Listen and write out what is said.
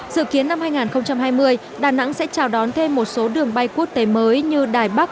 dự kiến năm hai nghìn hai mươi đà nẵng sẽ chào đón thêm một số đường bay quốc tế mới như đài bắc